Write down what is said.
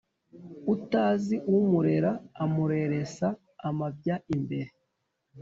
Utazi umurera amureresa amabya imbere.